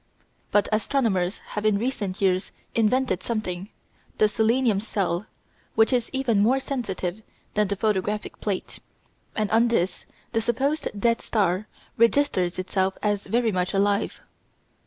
But astronomers have in recent years invented something, the "selenium cell," which is even more sensitive than the photographic plate, and on this the supposed dead star registers itself as very much alive.